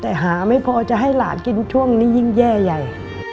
แต่หาไม่พอจะให้หลานกินช่วงนี้ยิ่งแย่ใหญ่